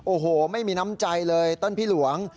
โอ้โหไม่มีน้ำใจเลยต้นพี่หลวง